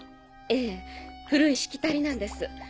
ええ古いしきたりなんです。